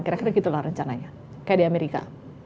kira kira gitu lah rencananya kayak di amerika